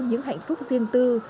những hạnh phúc riêng tư